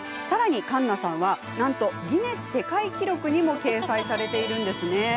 さらに、環奈さんはなんとギネス世界記録にも掲載されています。